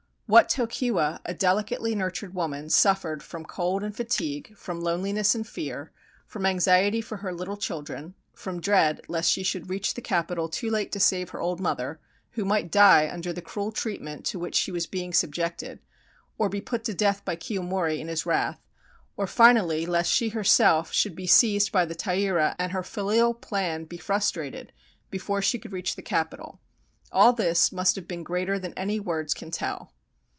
What Tokiwa, a delicately nurtured woman, suffered from cold and fatigue, from loneliness and fear, from anxiety for her little children, from dread lest she should reach the capital too late to save her old mother, who might die under the cruel treatment to which she was being subjected, or be put to death by Kiyomori in his wrath, or finally lest she herself should be seized by the Taira, and her filial plan be frustrated before she could 302 THE STORY OF YOSHITSUNE reach the capital — all this must have been greater than any words can tell.